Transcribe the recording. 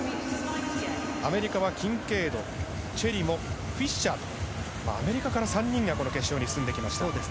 アメリカはキンケイドチェリモ、フィッシャーアメリカから３人が決勝に進んできました。